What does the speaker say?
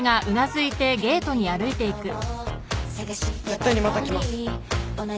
絶対にまた来ます。